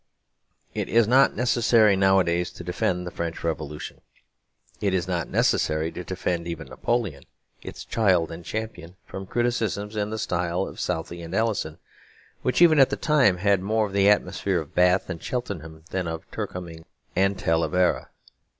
It is not necessary nowadays to defend the French Revolution, it is not necessary to defend even Napoleon, its child and champion, from criticisms in the style of Southey and Alison, which even at the time had more of the atmosphere of Bath and Cheltenham than of Turcoing and Talavera.